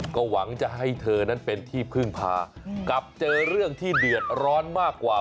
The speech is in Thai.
ก็หวังจะให้เธอนั้นเป็นที่พึ่งพากลับเจอเรื่องที่เดือดร้อนมากกว่า